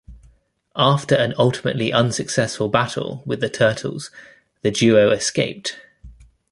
After an ultimately unsuccessful battle with the Turtles, the duo escaped.